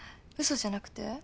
嘘じゃなくて？